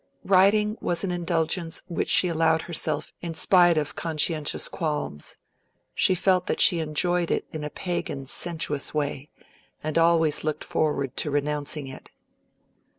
Riding was an indulgence which she allowed herself in spite of conscientious qualms; she felt that she enjoyed it in a pagan sensuous way, and always looked forward to renouncing it.